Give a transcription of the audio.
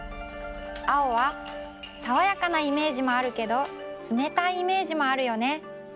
青はさわやかなイメージもあるけどつめたいイメージもあるよね。